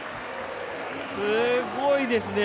すごいですね。